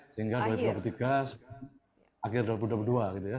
sehingga dua ribu dua puluh tiga akhir dua ribu dua puluh dua gitu ya